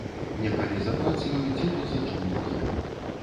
Некалі за працаю ці то за чым другім.